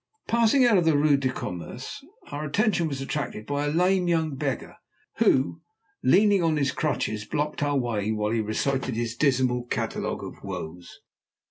Passing out of the Rue de Commerce, our attention was attracted by a lame young beggar who, leaning on his crutches, blocked our way while he recited his dismal catalogue of woes.